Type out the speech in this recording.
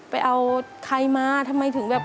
ไปเอาใครมาทำไมถึงแบบ